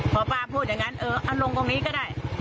พอป้าพูดอย่างนั้นเออเอาลงตรงนี้ก็ได้